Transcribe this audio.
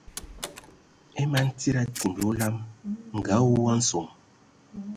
E man tsid a atimbi a olam nga awū a nsom.